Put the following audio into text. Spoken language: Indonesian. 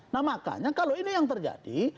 nah makanya kalau ini yang terjadi